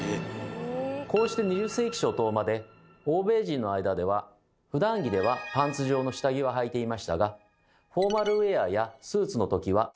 こうして２０世紀初頭まで欧米人の間ではふだん着ではパンツ状の下着ははいていましたがフォーマルウエアやスーツのときは。